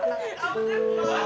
aku kan tidak punya hati